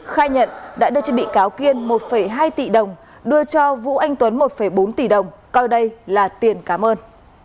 khai nhận đã đưa cho bị cáo kiên một hai tỷ đồng đưa cho vũ anh tuấn một bốn tỷ đồng coi đây là tiền cảm ơn